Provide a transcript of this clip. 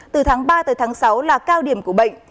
từ tháng ba tới tháng sáu là cao điểm của bệnh